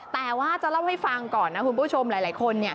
แต่ว่าจะเล่าให้ฟังก่อนนะคุณผู้ชมหลายคน